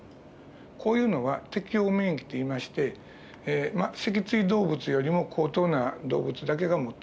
こういうのは適応免疫といいまして脊椎動物よりも高等な動物だけが持ってます。